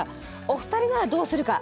お二人ならどうするか？